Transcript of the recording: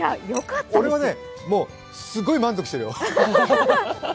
俺はね、すごく満足してるよ。